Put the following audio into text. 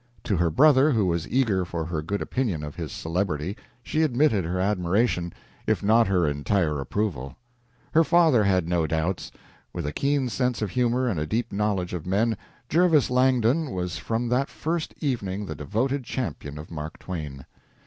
To her brother, who was eager for her good opinion of his celebrity, she admitted her admiration, if not her entire approval. Her father had no doubts. With a keen sense of humor and a deep knowledge of men, Jervis Langdon was from that first evening the devoted champion of Mark Twain.